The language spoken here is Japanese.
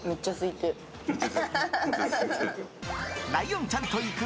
ライオンちゃんと行く！